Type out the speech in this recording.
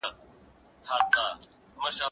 زه به سبا کتابتون ته ولاړم؟